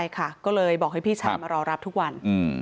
ก็เลยบอกให้พี่ชัดมารอรับทุกวัน